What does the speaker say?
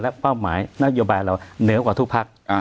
เป้าหมายนโยบายเราเหนือกว่าทุกพัก